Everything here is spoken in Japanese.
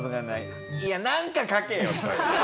いやなんか描けよ！とか。